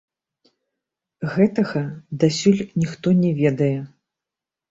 Гэтага дасюль ніхто не ведае.